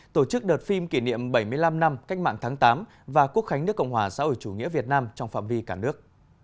tổ chức đợt phim kỷ niệm bảy mươi năm năm cách mạng tháng tám và quốc khánh nước cộng hòa xã hội chủ nghĩa việt nam trong phạm vi cả nước